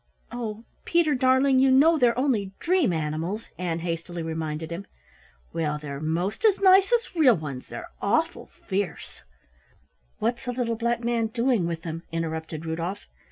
"Oh, Peter, darling, you know they're only dream animals!" Ann hastily reminded him. "Well, they're most as nice as real ones, they're awful fierce " "What's the Little Black Man doing with 'em?" interrupted Rudolf.